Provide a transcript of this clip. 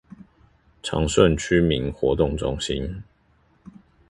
長順區民活動中心